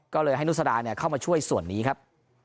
ก็เลยให้นุษดาเข้ามาช่วยส่วนนี้ครับ